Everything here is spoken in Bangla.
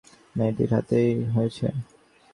ওসমান গনির স্ত্রীর মৃত্যু এই মেয়েটির হাতেই হয়েছে।